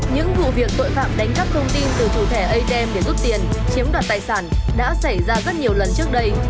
những vụ việc tội phạm đánh cắp thông tin từ chủ thẻ atm để giúp tiền chiếm đoạt tài sản đã xảy ra rất nhiều lần trước đây